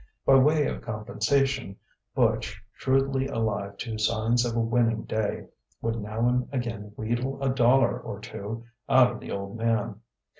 By way of compensation, Butch, shrewdly alive to signs of a winning day, would now and again wheedle a dollar or two out of the Old Man.